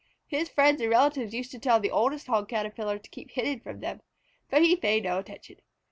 His friends and relatives used to tell the oldest Hog Caterpillar to keep hidden from them, but he paid no attention.